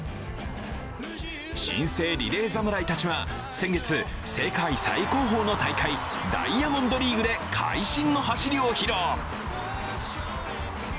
新生リレー侍たちは先月、世界最高峰の大会ダイヤモンドリーグで会心の走りを披露。